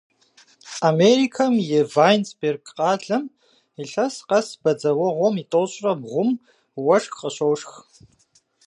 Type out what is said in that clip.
Америкэм и Вайнсберг къалэм илъэс къэс бадзэуэгъуэм и тӏощӏрэ бгъум уэшх къыщошх.